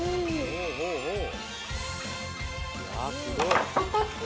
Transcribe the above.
ほうほうほう。